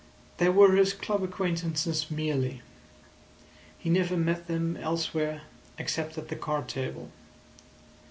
They were his club acquaintances merely. He never met them elsewhere except at the card table.